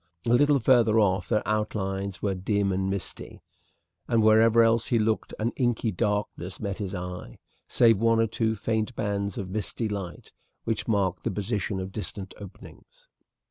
A little further off their outlines were dim and misty; and wherever else he looked an inky darkness met his eye, save one or two faint bands of misty light, which marked the position of distant openings.